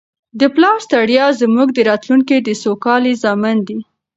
د پلار ستړیاوې زموږ د راتلونکي د سوکالۍ ضامنې دي.